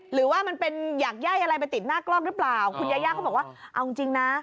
หรือว่ามันเป็นอยากไย่อะไรไปติดหน้ากล้องหรือเปล่าคุณยาย่าเขาบอกว่าเอาจริงจริงนะ